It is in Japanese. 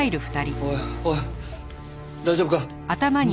おいおい大丈夫か？